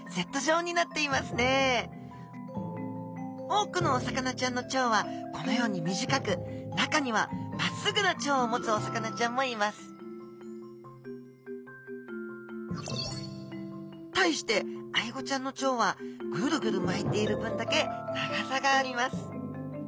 多くのお魚ちゃんの腸はこのように短く中にはまっすぐな腸を持つお魚ちゃんもいます対してアイゴちゃんの腸はぐるぐる巻いている分だけ長さがあります